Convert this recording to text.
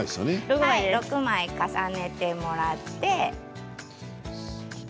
６枚重ねてもらって。